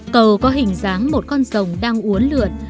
cầu có hình dáng một con rồng đang uốn lượn